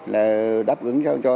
là đáp ứng cho